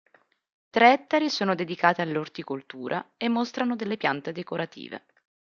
Tre ettari sono dedicati all'orticoltura e mostrano delle piante decorative.